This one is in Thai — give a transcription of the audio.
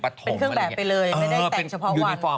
เป็นเครื่องแบบไปเลยไม่ได้แต่งเฉพาะวัน